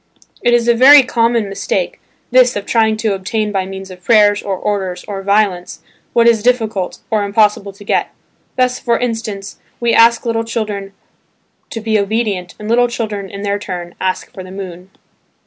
It is a very common mistake, this of trying to obtain by means of prayers, or orders, or violence, what is difficult, or impossible to get. Thus, for instance, we ask little children to be obedient, and little children in their turn ask for the moon.